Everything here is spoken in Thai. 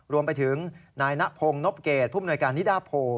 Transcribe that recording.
รวมไปถึงนายนพงศ์นพเกตผู้มนวยการนิดาโพ